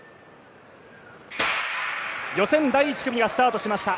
予選第１組がスタートしました。